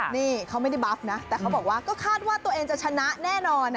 นี่เขาไม่ได้บัฟนะแต่เขาบอกว่าก็คาดว่าตัวเองจะชนะแน่นอน